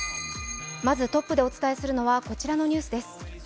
まずトップでお伝えするのはこちらのニュースです。